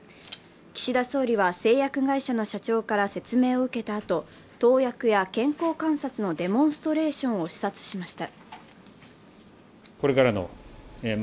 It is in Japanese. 岸田総理は製薬会社の社長から説明を受けたあと、投薬や健康観察のデモンストレーションを視察しました。